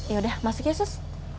ya udah masuk ya sus